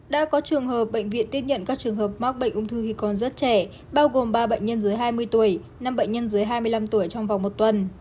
đã có trường hợp bệnh viện tiếp nhận các trường hợp mắc bệnh ung thư khi còn rất trẻ bao gồm ba bệnh nhân dưới hai mươi tuổi năm bệnh nhân dưới hai mươi năm tuổi trong vòng một tuần